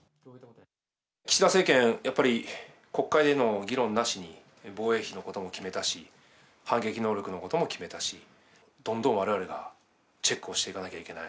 岸田政権、やっぱり国会での議論なしに防衛費のことも決めたし、反撃能力のことも決めたし、どんどんわれわれがチェックをしていかなきゃいけない。